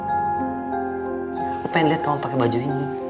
aku pengen lihat kamu pakai baju ini